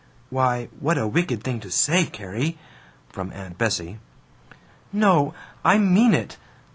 "Why, what a wicked thing to say, Carrie!" from Aunt Bessie. "No, I mean it!